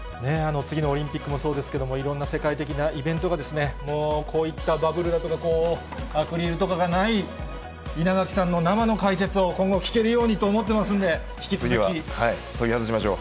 次のオリンピックもそうですけれども、いろんな世界的なイベントが、もう、こういったバブルだとか、アクリルとかがない稲垣さんの生の解説を、今後聞けるようにと思次は取り外しましょう。